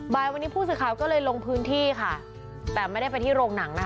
บ่ายวันนี้ผู้สื่อข่าวก็เลยลงพื้นที่ค่ะแต่ไม่ได้ไปที่โรงหนังนะคะ